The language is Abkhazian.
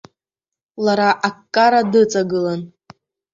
Лара аккара дыҵагылан.